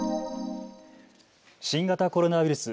新型コロナウイルス。